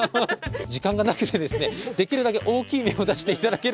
時間がなくてですねできるだけ大きい目を出していただけると。